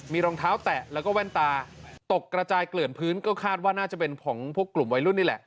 มีรองเท้าแตะแล้วก็แว่นตาตกกระจายเกลื่อนพื้นก็คาดว่าน่าจะเป็นของพวกกลุ่มวัยรุ่นนี่แหละ